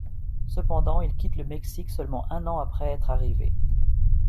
Cependant, il quitte le Mexique seulement un an après être arrivé.